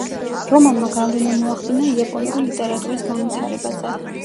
რომანმა გავლენა მოახდინა იაპონური ლიტერატურის განვითარებაზე.